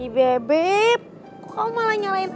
bebe kok kamu malah nyalahin aku